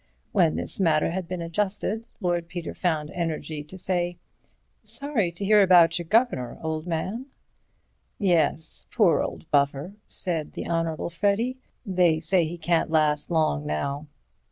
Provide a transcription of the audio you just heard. When this matter had been adjusted Lord Peter found energy to say: "Sorry to hear about your gov'nor, old man." "Yes, poor old buffer," said the Honourable Freddy; "they say he can't last long now.